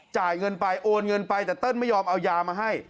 จ่ายเงินไปโอนเงินไปแต่เติ้ลไม่ยอมเอายามาให้